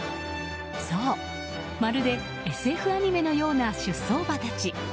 そう、まるでＳＦアニメのような出走馬たち。